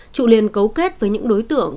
trụ liền cấu kết với những đối tượng